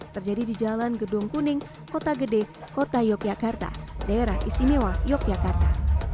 terjadi di jalan gedung kuning kota gede kota yogyakarta daerah istimewa yogyakarta